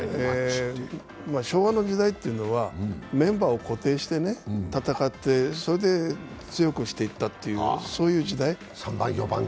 昭和の時代というのはメンバーを固定して戦って、それで強くしていったという時代。